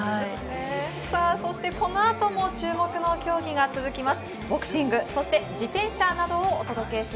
そして、この後も注目の競技が続きます。